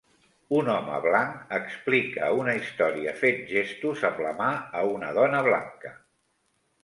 Un home blanc explica una història fent gestos amb la mà a una dona blanca.